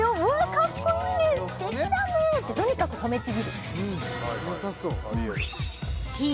かっこいいねすてきだねってとにかく褒めちぎるてぃ